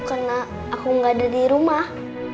karena aku nggak ada di rumah